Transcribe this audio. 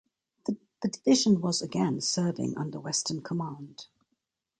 The division was again serving under Western Command.